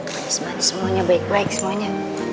manis manis semuanya baik baik semuanya